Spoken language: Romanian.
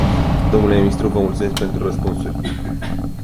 Domnule ministru, vă mulțumesc pentru răspunsuri.